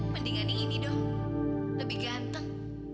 lebih baik ini dong lebih ganteng